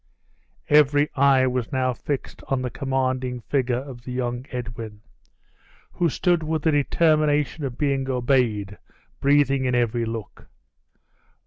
Every eye was now fixed on the commanding figure of the young Edwin, who stood with the determination of being obeyed breathing in every look.